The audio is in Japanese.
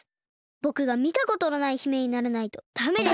ぼくがみたことのない姫にならないとダメです！